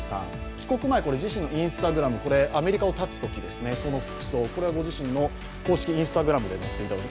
帰国前、自身のＩｎｓｔａｇｒａｍアメリカを立つとき、その服装これはご自身の公式Ｉｎｓｔａｇｒａｍに乗っていたもの。